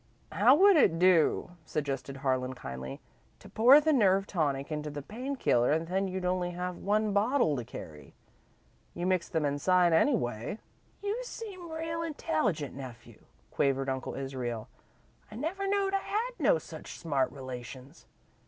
"How would it do," suggested Harlan, kindly, "to pour the nerve tonic into the pain killer, and then you'd have only one bottle to carry. You mix them inside, anyway." "You seem real intelligent, nephew," quavered Uncle Israel. "I never knowed I had no such smart relations.